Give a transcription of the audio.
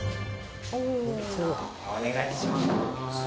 お願いします。